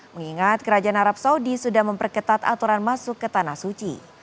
mengingat kerajaan arab saudi sudah memperketat aturan masuk ke tanah suci